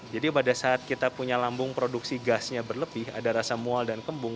pada saat kita punya lambung produksi gasnya berlebih ada rasa mual dan kembung